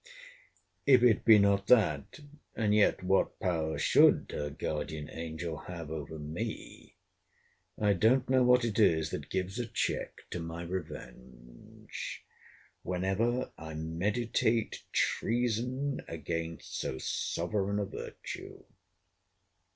If it be not that, [and yet what power should her guardian angel have over me?] I don't know what it is that gives a check to my revenge, whenever I meditate treason against so sovereign a virtue.